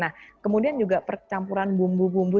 nah kemudian juga percampuran bumbu bumbu